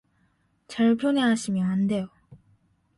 절 편애하시면 안 돼요.